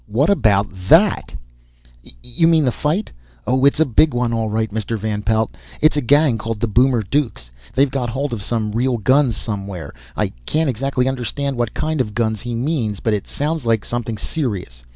What about that?" "You mean the fight? Oh, it's a big one all right, Mr. Van Pelt. It's a gang called the Boomer Dukes. They've got hold of some real guns somewhere I can't exactly understand what kind of guns he means, but it sounds like something serious.